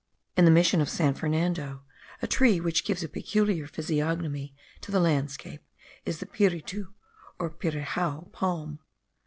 In the mission of San Fernando, a tree which gives a peculiar physiognomy to the landscape, is the piritu or pirijao palm.